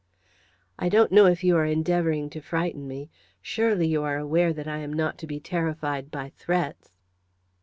"I don't know if you are endeavouring to frighten me. Surely you are aware that I am not to be terrified by threats?"